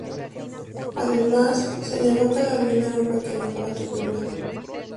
Además, señaló que el avión era un pequeño aparato privado.